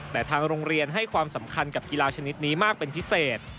แต่ทางโรงเรียนให้ความสำคัญกับกีฬาชนิดนี้มากเป็นพิเศษ